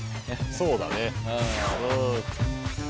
そうだね。